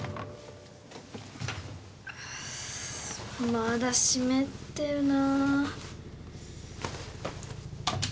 まだ湿ってるな。